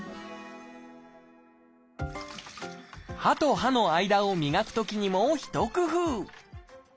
歯と歯の間を磨くときにも一工夫。